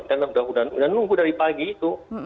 dan udah nunggu dari pagi itu